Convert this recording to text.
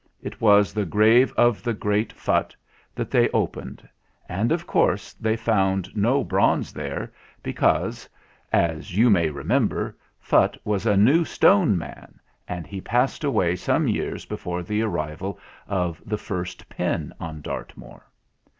It was the grave of the great Phutt that they opened, and, of course, they found no bronze there, because, as you may remember, Phutt was a New Stone man, and he passed away some years before the arrival of the first pin on Dartmoor.